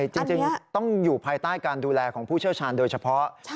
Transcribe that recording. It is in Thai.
จริงต้องอยู่ภายใต้การดูแลของผู้เชี่ยวชาญโดยเฉพาะ